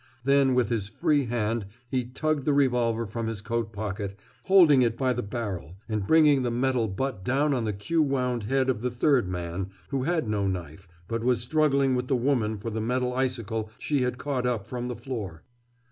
Then with his free hand he tugged the revolver from his coat pocket, holding it by the barrel and bringing the metal butt down on the queue wound head of the third man, who had no knife, but was struggling with the woman for the metal icicle she had caught up from the floor.